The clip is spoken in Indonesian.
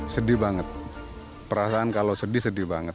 sedih banget perasaan kalau sedih sedih banget